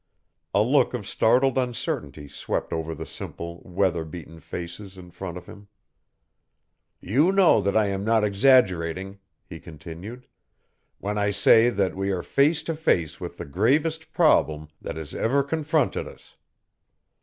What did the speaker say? A look of startled uncertainty swept over the simple, weather beaten faces in front of him. "You know that I am not exaggerating," he continued, "when I say that we are face to face with the gravest problem that has ever confronted us.